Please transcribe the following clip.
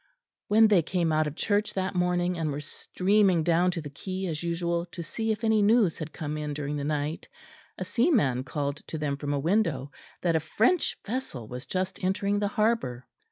When they came out of church that morning, and were streaming down to the quay as usual to see if any news had come in during the night, a seaman called to them from a window that a French vessel was just entering the harbour.